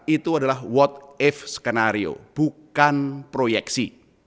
itu adalah what ip skenario bukan proyeksi